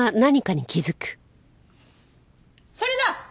それだ！